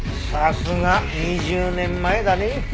さすが２０年前だね。